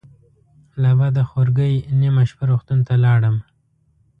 له بده خورګۍ نیمه شپه روغتون ته لاړم.